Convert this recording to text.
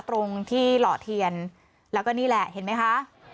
ตรงที่หล่อเทียนแล้วก็นี่แหละเห็นไหมคะ